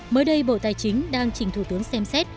mới đây bộ tài chính đang trình thủ tướng xem xét